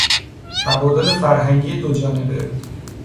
تبادل فرهنگی دوجانبه